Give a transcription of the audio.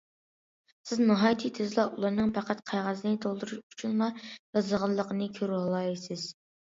سىز ناھايىتى تېزلا ئۇلارنىڭ پەقەت قەغەزنى تولدۇرۇش ئۈچۈنلا يازىدىغانلىقىنى كۆرۈۋالالايسىز.